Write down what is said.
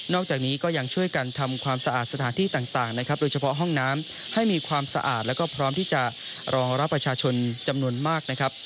จากนี้ก็ยังช่วยกันทำความสะอาดสถานที่ต่างนะครับโดยเฉพาะห้องน้ำให้มีความสะอาดแล้วก็พร้อมที่จะรองรับประชาชนจำนวนมากนะครับ